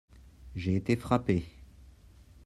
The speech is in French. J'ai été frappé.